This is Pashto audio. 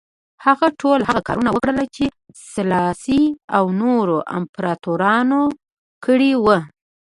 هغه ټول هغه کارونه وکړل چې سلاسي او نورو امپراتورانو کړي وو.